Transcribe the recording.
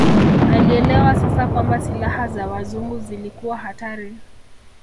Alielewa sasa kwamba silaha za Wazungu zilikuwa hatari